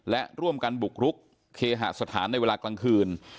และร่วมกันบุกรุกเคหสถานในเวลากลางคืน